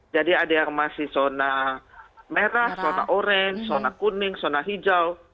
jadi ada yang masih zona merah zona orange zona kuning zona hijau